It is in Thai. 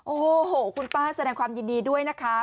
โอ้โหคุณป้าแสดงความยินดีด้วยนะคะ